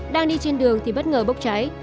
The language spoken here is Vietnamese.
đang đi trên đường thì bất ngờ bốc cháy